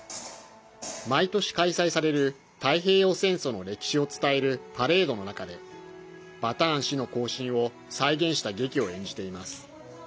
毎年開催される太平洋戦争の歴史を伝えるパレードの中でバターン死の行進を再現した劇を演じています。